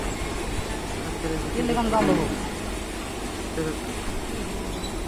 আজ চাইলে বৃষ্টি দুপুরে পাতে রাখতে পারেন ইলিশ পোলাও।